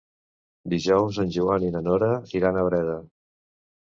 Dijous en Joan i na Nora iran a Breda.